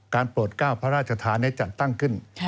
การโปรดก้าวพระราชภาในจัดตั้งขึ้น